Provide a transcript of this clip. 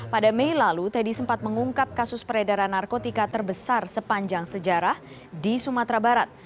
pada mei lalu teddy sempat mengungkap kasus peredaran narkotika terbesar sepanjang sejarah di sumatera barat